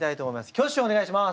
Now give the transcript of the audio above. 挙手をお願いします。